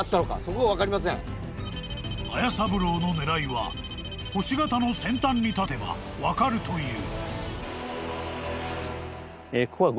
［斐三郎の狙いは星形の先端に立てば分かるという］